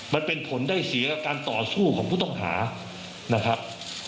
มันเป็นผลได้เสียการต่อสู้ของผู้ต้องหานะครับ